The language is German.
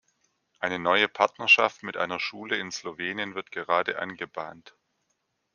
Eine neue Partnerschaft mit einer Schule in Slowenien wird gerade angebahnt.